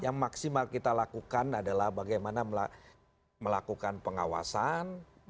yang maksimal kita lakukan adalah bagaimana melakukan pengawasan